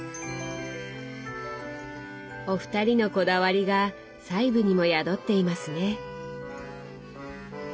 お二人のこだわりが細部にも宿っていますね。